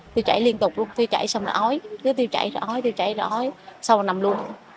tiêu chảy liên tục luôn tiêu chảy xong rồi ói tiếp tiêu chảy rồi ói tiếp tiêu chảy rồi ói xong rồi nằm luôn